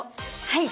はい。